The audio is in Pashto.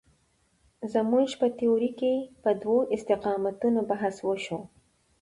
زموږ په تیورۍ کې پر دوو استقامتونو بحث وشو.